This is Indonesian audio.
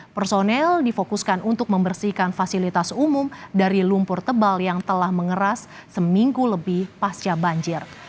personel difokuskan untuk membersihkan fasilitas umum dari lumpur tebal yang telah mengeras seminggu lebih pasca banjir